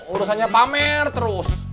urusannya pamer terus